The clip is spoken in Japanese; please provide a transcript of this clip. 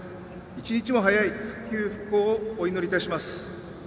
１日も早い復旧・復興をお祈りいたします。